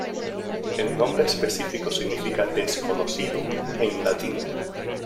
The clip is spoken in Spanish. El nombre específico significa "desconocido" en latín.